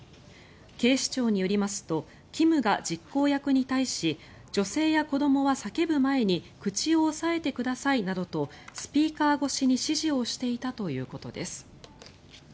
警視庁によりますとキムが実行役に対し女性や子どもは叫ぶ前に口を押さえてくださいなどとスピーカー越しに指示をしていたということです。